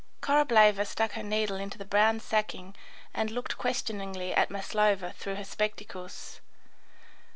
Korableva stuck her needle into the brown sacking and looked questioningly at Maslova through her spectacles.